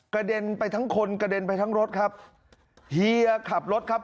กระเด็นไปทั้งคนกระเด็นไปทั้งรถครับเฮียขับรถครับ